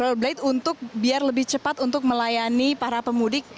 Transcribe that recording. rollerblade untuk biar lebih cepat untuk melayani para pemudik